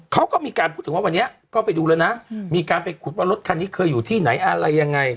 เขาก็มีการพูดถึงว่าวันนี้ก็ไปดูแล้วนะมีการไปขุดว่ารถคันนี้เคยอยู่ที่ไหนอะไรยังไง